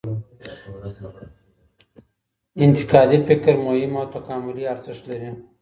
انتقادي فکر مهم او تکاملي ارزښت لري.